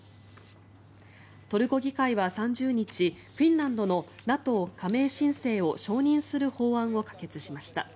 トルコ議会は３０日フィンランドのＮＡＴＯ加盟申請を承認する法案を可決しました。